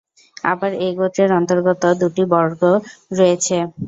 আবার এই গোত্রের অন্তর্গত দুটি বর্গ রয়েছে।